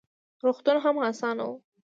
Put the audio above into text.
روغتون هم اسان نه و: